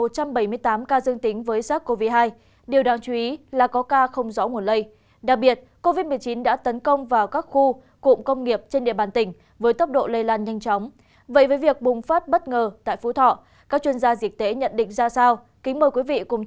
các chuyên gia diệt tế nhận định ra sao kính mời quý vị cùng theo dõi trong chương trình ngày hôm nay